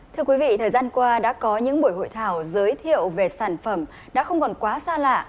thưa quý vị thời gian qua đã có những buổi hội thảo giới thiệu về sản phẩm đã không còn quá xa lạ